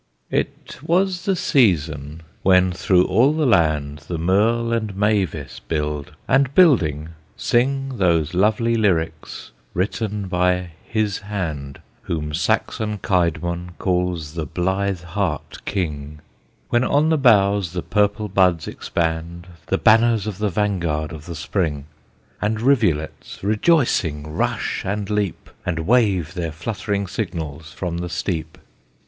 It was the season, when through all the land The merle and mavis build, and building sing Those lovely lyrics, written by His hand, Whom Saxon CÊdmon calls the Blithe heart King; When on the boughs the purple buds expand, The banners of the vanguard of the Spring, And rivulets, rejoicing, rush and leap, And wave their fluttering signals from the steep.